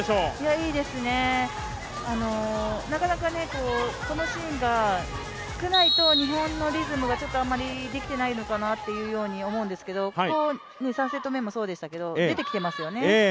いいですね、なかなかこのシーンが少ないと日本のリズムがあまりできてないのかなと思うんですけど３セット目もそうですけど、ここ出てきてますよね。